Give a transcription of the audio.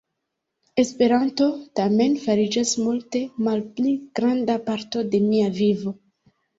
Esperanto, tamen, fariĝas multe malpli granda parto de mia vivo.